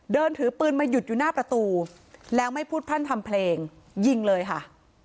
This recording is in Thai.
เดินถือปืนมาหยุดอยู่หน้าประตูแล้วไม่พูดพรั่นทำเพลงยิงเลยค่ะ